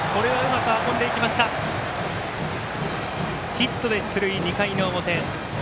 ヒットで出塁、２回の表。